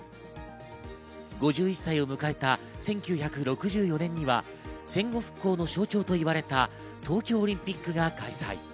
５１歳を迎えた１９６４年には戦後復興の象徴と言われた東京オリンピックが開催。